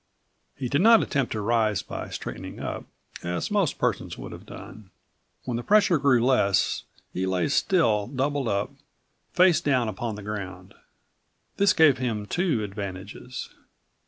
He did not attempt to rise by straightening up, as most persons would have done. When the pressure grew less, he lay still doubled up, face down upon the ground. This gave him two advantages.